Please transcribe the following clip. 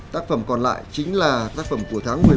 tác phẩm còn lại chính là tác phẩm của tháng một mươi một